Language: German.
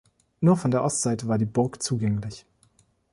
Nur von der Ostseite war die Burg zugänglich.